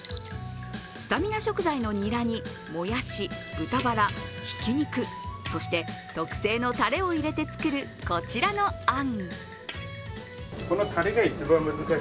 スタミナ食材のにらにもやし、豚バラ、ひき肉、そして特製のたれを入れて作るこちらのあん。